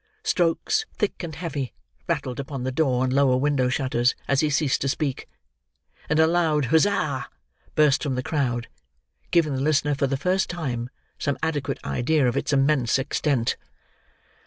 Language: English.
Strokes, thick and heavy, rattled upon the door and lower window shutters as he ceased to speak, and a loud huzzah burst from the crowd; giving the listener, for the first time, some adequate idea of its immense extent.